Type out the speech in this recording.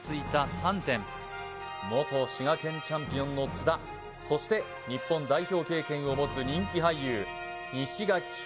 ３点元滋賀県チャンピオンの津田そして日本代表経験を持つ人気俳優西垣匠